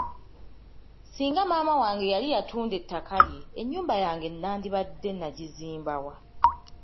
Singa maama wange yali yatunda ettaka lye, ennyumba yange nandibadde nagizimba wa?